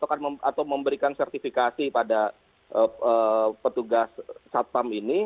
atau memberikan sertifikasi pada petugas satpam ini